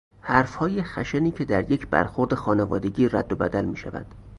حرفهای خشنی که در یک برخورد خانوادگی رد و بدل میشود